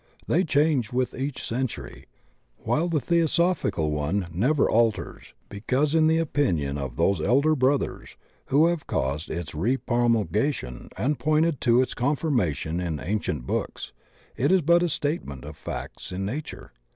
They change with each century, while the Theosophical one never alters, because in tfie opinion of those Elder Brothers who have caused its repromulgation and pointed to its con firmation in ancient books, it is but a statement of facts in nature.